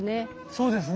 そうですね。